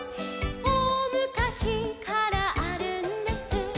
「おおむかしからあるんです」